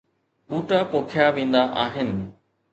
ٻوٽا پوکيا ويندا آهن